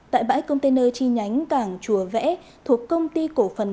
tại bãi container chi nhánh cảng chùa vẽ thuộc công ty cổ phần